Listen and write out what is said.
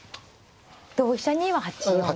同飛車には８四飛車と。